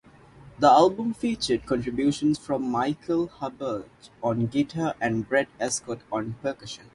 The album featured contributions from Michael Herbage on guitar and Brett Ascott on percussion.